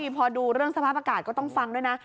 พอดูเรื่องสภาพอากาศก็ต้องฟังด้วยนะ